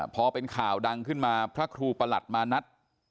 พอเป็นข่าวดังขึ้นมาพระครูประหลัดมานัด